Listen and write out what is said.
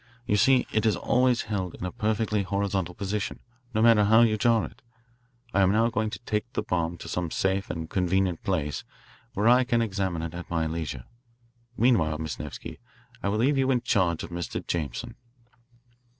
You see, it is always held in a perfectly horizontal position, no matter how you jar it. I am now going to take the bomb to some safe and convenient place where I can examine it at my leisure. Meanwhile, Miss Nevsky, I will leave you in charge of Mr. Jameson."